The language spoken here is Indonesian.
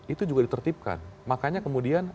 itu juga ditertipkan makanya kemudian